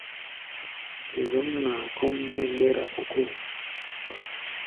Zɔ̌mnaa kɔ́ʼm nɛ́ gbɛ́rá ókóo.